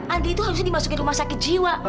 anti itu harusnya dimasukin rumah sakit jiwa